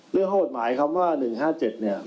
เรื่องโทษหมายคำว่า๑๕๗เนี่ย